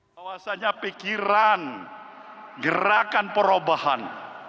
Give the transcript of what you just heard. bawasannya pikiran gerakan perubahan